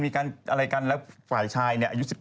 มีการอะไรกันแล้วฝ่ายชายเนี่ย